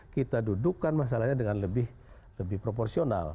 kita dudukkan masalahnya dengan lebih proporsional